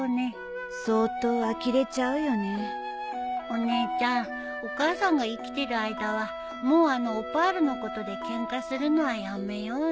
お姉ちゃんお母さんが生きてる間はもうあのオパールのことでケンカするのはやめようね。